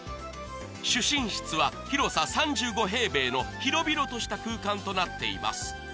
主寝室は広さ３５ｍの広々とした空間となっています